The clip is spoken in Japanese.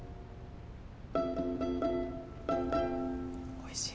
おいしい。